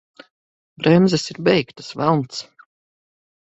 Bremzes ir beigtas! Velns!